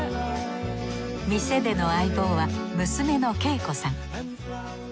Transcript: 店での相棒は娘の惠子さん。